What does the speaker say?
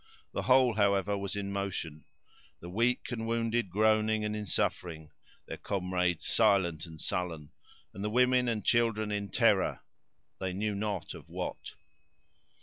The whole, however, was in motion; the weak and wounded, groaning and in suffering; their comrades silent and sullen; and the women and children in terror, they knew not of what.